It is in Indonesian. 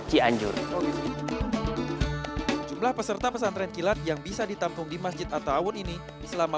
cianjur jumlah peserta pesan tren kilat yang bisa ditampung di masjid ata'awun ini selama